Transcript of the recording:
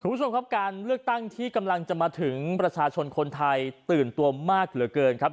คุณผู้ชมครับการเลือกตั้งที่กำลังจะมาถึงประชาชนคนไทยตื่นตัวมากเหลือเกินครับ